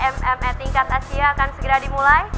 mma tingkat asia akan segera dimulai